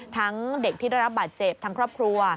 เด็กที่ได้รับบาดเจ็บทั้งครอบครัว